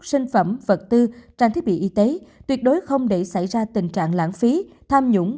sinh phẩm vật tư trang thiết bị y tế tuyệt đối không để xảy ra tình trạng lãng phí tham nhũng